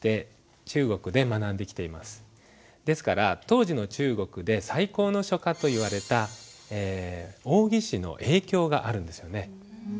ですから当時の中国で最高の書家といわれた王羲之の影響があるんですよね。